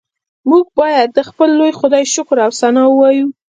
موږ باید د خپل لوی خدای شکر او ثنا ووایو